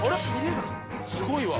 すごいわ。